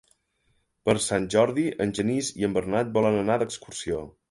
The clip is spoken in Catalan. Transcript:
Per Sant Jordi en Genís i en Bernat volen anar d'excursió.